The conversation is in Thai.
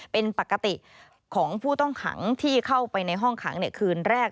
เป็นปกติของผู้ต้องขังที่เข้าไปในห้องขังคืนแรก